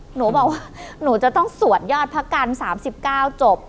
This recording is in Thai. หนูบอกว่าหนูจะต้องสวดยอดพระกัน๓๙จบ